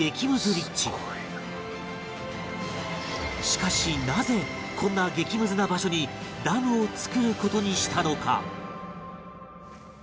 しかしなぜこんな激ムズな場所にダムを造る事にしたのか？